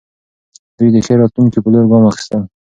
دوی د ښې راتلونکې په لور ګام اخلي.